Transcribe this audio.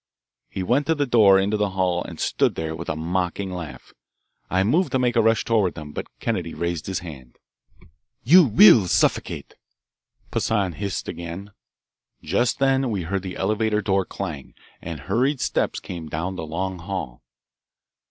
He went to the door into the hall and stood there with a mocking laugh. I moved to make a rush toward them, but Kennedy raised his hand. "You will suffocate," Poissan hissed again. Just then we heard the elevator door clang, and hurried steps came down the long hall.